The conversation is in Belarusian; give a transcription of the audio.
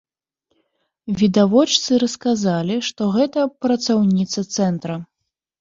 Відавочцы расказалі, што гэта працаўніца цэнтра.